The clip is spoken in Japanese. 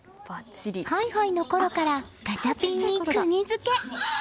ハイハイのころからガチャピンにくぎ付け！